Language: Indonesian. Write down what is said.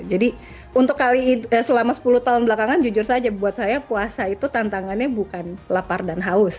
jadi untuk kali itu selama sepuluh tahun belakangan jujur saja buat saya puasa itu tantangannya bukan lapar dan haus